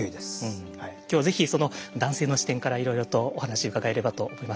今日ぜひその男性の視点からいろいろとお話伺えればと思います。